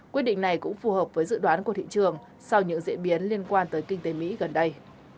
quyết định này cũng phù hợp với dự đoán của thị trường sau những diễn biến liên quan tới kinh tế mỹ gần đây